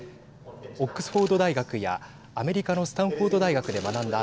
オックスフォード大学やアメリカのスタンフォード大学で学んだ